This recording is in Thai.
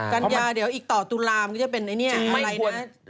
กัญญาเดี๋ยวอีกต่อตุลามก็จะเป็นอะไรนะ